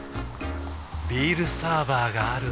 ビールサーバーがある夏。